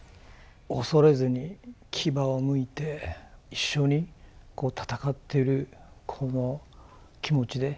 恐れずに牙をむいて一緒に戦ってるこの気持ちで。